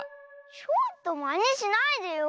ちょっとまねしないでよ。